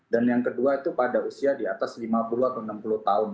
dan yang kedua itu pada usia di atas lima puluh atau enam puluh tahun